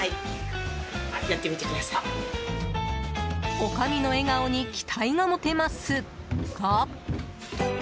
おかみの笑顔に期待が持てますが。